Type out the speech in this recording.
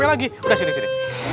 eh kalian berdua stop sini sini